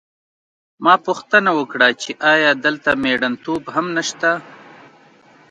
ما پوښتنه وکړه چې ایا دلته مېړنتوب هم نشته